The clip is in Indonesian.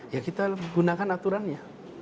ya kita gunakan aturannya